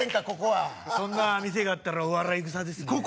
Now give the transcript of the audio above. ここはそんな店があったらお笑いぐさですね